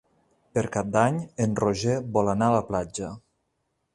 Per Cap d'Any en Roger vol anar a la platja.